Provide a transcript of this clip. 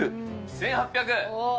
１８００。